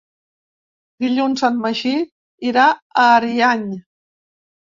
Dilluns en Magí irà a Ariany.